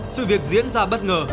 sự việc diễn ra bất ngờ